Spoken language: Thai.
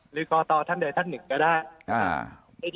หรือก่อโทรท่านใดท่านหรือก็ได้